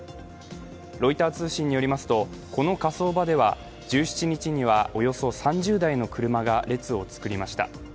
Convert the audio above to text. ロイター通信によりますとこの火葬場では１７日にはおよそ３０台の車が列を作りました。